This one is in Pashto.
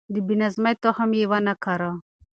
د بې نظمۍ تخم يې ونه کره.